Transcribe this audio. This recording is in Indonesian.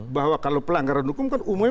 bahwa kalau pelanggaran hukum kan umumnya